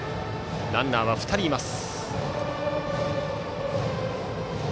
ランナーは２人います。